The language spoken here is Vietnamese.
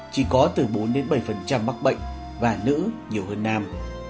chỉ có từ bốn bảy mắc bệnh và nữ nhiều hơn nam